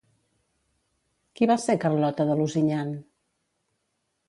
Qui va ser Carlota de Lusignan?